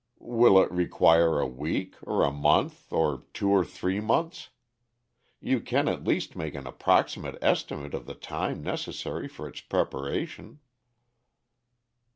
"Will it require a week, or a month, or two or three months? You can, at least, make an approximate estimate of the time necessary for its preparation."